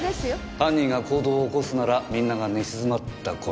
犯人が行動を起こすならみんなが寝静まった頃。